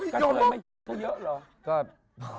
ก้อยต้องเป็นเชื่อเหอะเหรอ